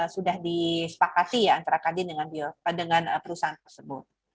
sudah disepakati ya antara kadin dengan perusahaan tersebut